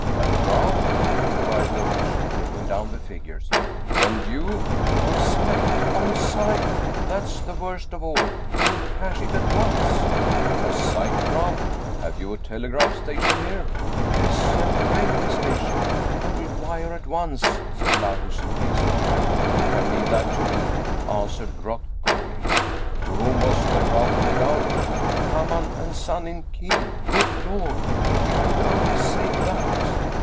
" A draft? " inquired the official, taking down the figures. "When due?" " On sight on sight ! that's the worst of all. He'll cash it at once." 30 Dietrich Theden " A sight draft ? Have you a telegraph station here ?"" Yes, at the railway station. I will wire at once," said Lahusen hastily. " You can leave that to me," answered Groth coolly. " To whom was the draft made out ?"" Hamann & Son in Kiel good Lord ! if we could only save that